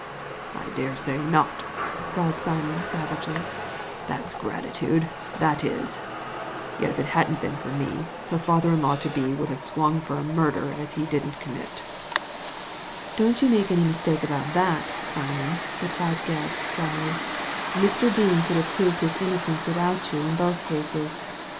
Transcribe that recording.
I dare say not," growled Simon, savagely, that's gratitude, that is ; yet if it hadn't been for me her father in law to be would have swung for a murder as he didn't commit" ''Don't you make any mistake about that, Simon," replied Gebb, dryly, " Mr. Dean could have proved his innocence without you in both cases.